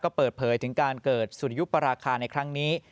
ก็เปิดเผยถึงการเกิดสุริยุปราคาในครั้งนี้